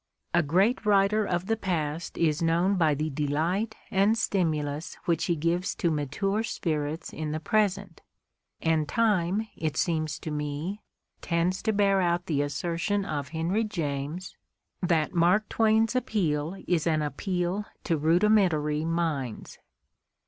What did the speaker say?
A great writer of the past is known by the delight and stimulus which he gives to mature spirits in the present, and time, it seems to me, tends to bear out the assertion of Henry James that Mark Twain's appeal is an appeal to rudimentary minds.